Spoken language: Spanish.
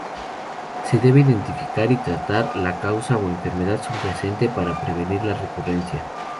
Se debe identificar y tratar la causa o enfermedad subyacente, para prevenir la recurrencia.